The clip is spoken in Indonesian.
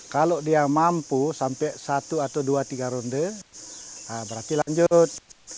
kalau dia mampu sampai satu atau dua tiga ronde berarti lanjut